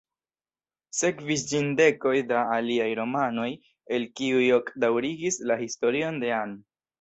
Sekvis ĝin dekoj da aliaj romanoj, el kiuj ok daŭrigis la historion de Anne.